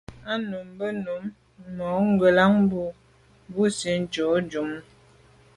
A num mbe num mo’ ngelan mbù bo busi tsho shune.